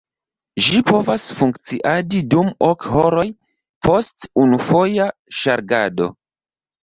Ĝi povas funkciadi dum ok horoj post unufoja ŝargado.